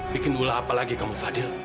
bikin bola apa lagi kamu fadil